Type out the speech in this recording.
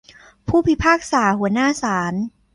ผู้พิพากษาหัวหน้าศาล